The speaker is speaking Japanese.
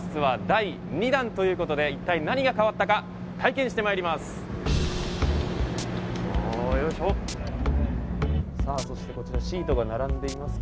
第２弾ということで一体、何が変わったか体験してまいります。